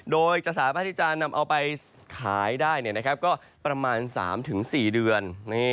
โดยจสาวพาทิจารณ์นำเอาไปขายได้ก็ประมาณ๓๔เดือน